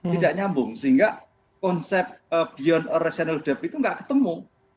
tidak nyambung sehingga konsep beyond and reasonable doubts itu nggak ketemu